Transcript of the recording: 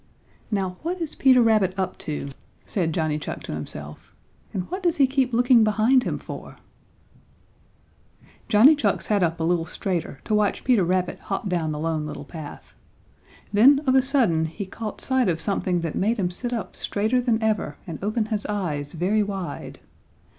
"Now what is Peter Rabbit up to?" said Johnny Chuck to himself, "and what does he keep looking behind him for?" Johnny Chuck sat up a little straighter to watch Peter Rabbit hop down the Lone Little Path. Then of a sudden he caught sight of something that made him sit up straighter than ever and open his eyes very wide.